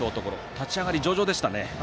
立ち上がり、上々でしたね。